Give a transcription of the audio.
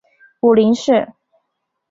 母林氏。